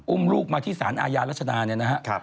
อุ้มลูกมาที่สารอายารัฐชนาเนี่ยนะฮะ